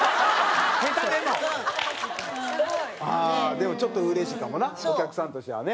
でもちょっとうれしいかもなお客さんとしてはね。